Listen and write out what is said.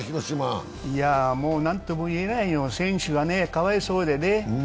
もう何とも言えないよ、選手がかわいそうでね。